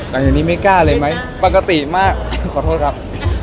แต่จากนี้ไม่กล้าเลยไหมไม่กล้าปกติมากขอโทษครับ